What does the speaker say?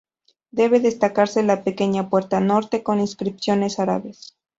Debe destacarse la pequeña puerta norte con inscripciones árabes.